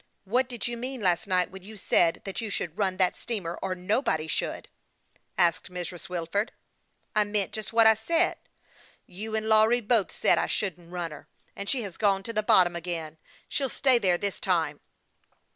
" What did you mean last night when you said that you should run that steamer, or nobody should?" asked Mrs. Wilford. 15 170 HASTE AND WASTE, OR " I meant just what I said. You and Lawry both said I shouldn't run her and she has gone to the bottom again ; she'll stay there this time."